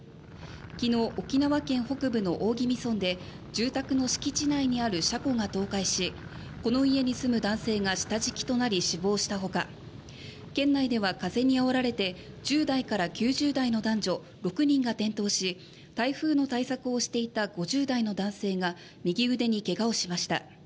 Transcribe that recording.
昨日、沖縄県北部の大宜味村で住宅の敷地内にある車庫が倒壊しこの家に住む男性が下敷きとなり死亡したほか県内では風にあおられて１０代から９０代の男女６人が転倒し台風の対策をしていた５０代の男性が右腕に怪我をしました。